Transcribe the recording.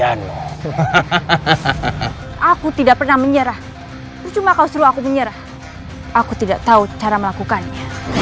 aku tidak pernah menyerah percuma kalau suruh aku menyerah aku tidak tahu cara melakukannya